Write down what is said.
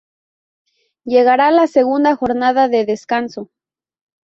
Llegará la segunda jornada de descanso.